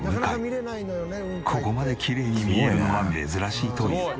ここまできれいに見えるのは珍しいという。